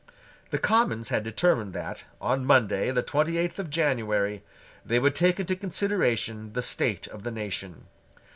The Commons had determined that, on Monday the twenty eighth of January, they would take into consideration the state of the nation.